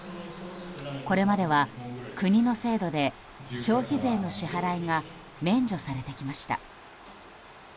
これまでは、国の制度で消費税の支払いが免除されてきました。